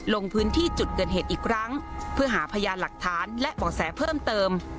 ลงพื้นที่จุดเกิดเหตุอีกครั้งเพื่อหาพยานหลักฐานและบ่อแสเพิ่มเติม